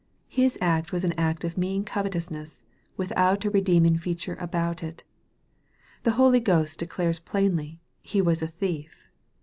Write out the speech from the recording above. His act was an act of mean covetousness, without a redeeming feature about it. The Holy Ghost declares plainly " he was a thief."